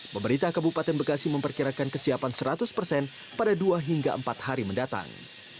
pemerintah kabupaten bekasi memperkirakan kesiapan seratus persen pada dua hingga empat hari mendatang